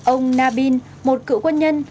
ông nabil một cựu quân nhân